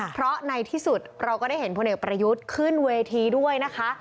เพราะในที่สุดเราก็ได้เห็นพลเอกประยุทธ์ขึ้นเวทีด้วยนะคะ